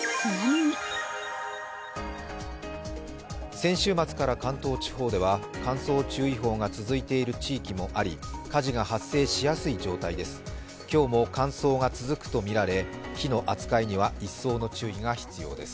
先週末から関東地方では乾燥注意報が続いている地域もあり、火事が発生しやすい状態です。